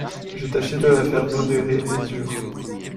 J’ai tâché de la faire modérée et dure.